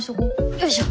よいしょ。